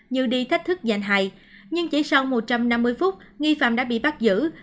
như đi thách thức gian hại nhưng chỉ sau một trăm năm mươi phút nghi phạm đã bị bắt giữ